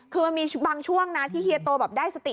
คือมันมีบางช่วงนะที่เฮียโตแบบได้สติ